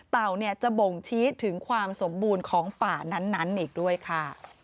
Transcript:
จะบ่งชี้ถึงความสมบูรณ์ของป่านั้นอีกด้วยค่ะ